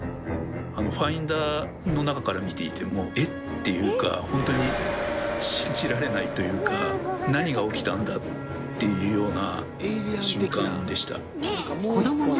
ファインダーの中から見ていても「え⁉」っていうかほんとに信じられないというか何が起きたんだっていうような瞬間でした。